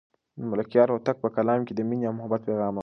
د ملکیار هوتک په کلام کې د مینې او محبت پیغام نغښتی دی.